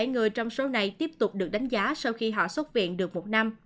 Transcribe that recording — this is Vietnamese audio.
tám trăm linh bảy người trong số này tiếp tục được đánh giá sau khi họ xuất viện được một năm